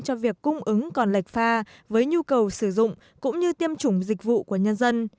cho việc cung ứng còn lệch pha với nhu cầu sử dụng cũng như tiêm chủng dịch vụ của nhân dân